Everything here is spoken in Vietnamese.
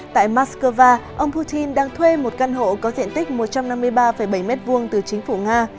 tại moscow ông putin đang thuê một căn hộ có diện tích một trăm năm mươi ba bảy m hai từ chính phủ nga